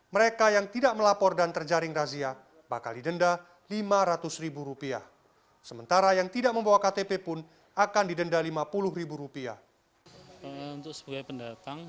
warga yang mendaftar nantinya mendapatkan pendataan non permanen yang berubah menjadi pendataan pendataan penduduk non permanen